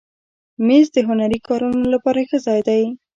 مېز د هنري کارونو لپاره ښه ځای دی.